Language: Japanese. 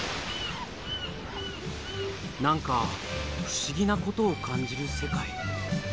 何か不思議なことを感じる世界。